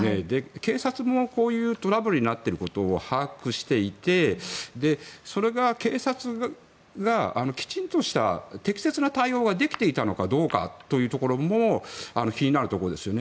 警察も、こういうトラブルになっていることを把握していてそれが警察がきちんとした適切な対応ができていたのかどうかというところも気になるところですよね。